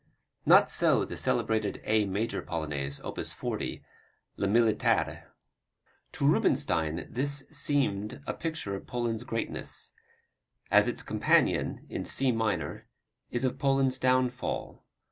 Not so the celebrated A major Polonaise, op. 40, Le Militaire. To Rubinstein this seemed a picture of Poland's greatness, as its companion in C minor is of Poland's downfall.